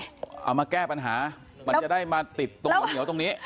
เอามาแก้ปัญหามันจะได้มาติดตัวเหนียวตรงนี้